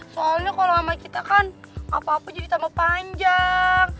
soalnya kalau sama kita kan apa apa jadi tambah panjang